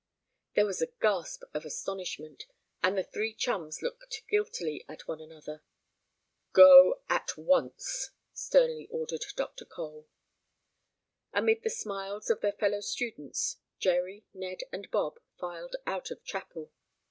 There was a gasp of astonishment, and the three chums looked guiltily at one another. "Go at once!" sternly ordered Dr. Cole. Amid the smiles of their fellow students Jerry, Ned and Bob filed out of chapel.